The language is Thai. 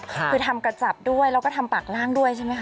คือทำกระจับด้วยแล้วก็ทำปากล่างด้วยใช่ไหมคะ